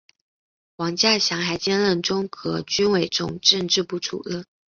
王稼祥还兼任中革军委总政治部主任。